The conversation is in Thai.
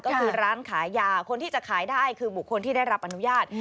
ก็คือร้านขายยาคนที่จะขายได้คือบุคคลที่ได้รับอนุญาต